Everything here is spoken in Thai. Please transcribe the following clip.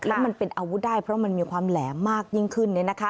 แล้วมันเป็นอาวุธได้เพราะมันมีความแหลมมากยิ่งขึ้น